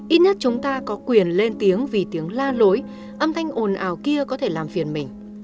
ít nhất chúng ta có quyền lên tiếng vì tiếng la lối âm thanh ồn ào kia có thể làm phiền mình